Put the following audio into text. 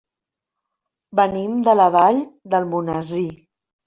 Venim de la Vall d'Almonesir.